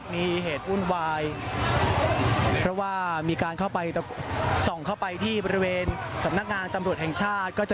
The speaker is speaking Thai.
มีเหตุวุ่นวายเพราะว่ามีการเข้าไปส่องเข้าไปที่บริเวณสำนักงานตำรวจแห่งชาติก็จะ